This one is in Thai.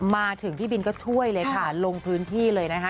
มาถึงพี่บินก็ช่วยเลยค่ะลงพื้นที่เลยนะคะ